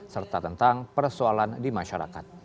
serta tentang persoalan di masyarakat